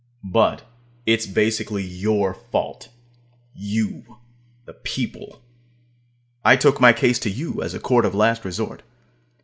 But basically it's your fault you, the people. I took my case to you, as a court of last resort.